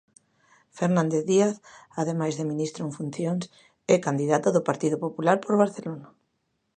Fernández Díaz, ademais de ministro en funcións, é candidato do Partido Popular por Barcelona.